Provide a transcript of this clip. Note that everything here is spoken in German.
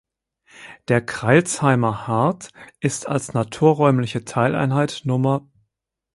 Der "Crailsheimer Hardt" ist als naturräumliche Teileinheit Nr.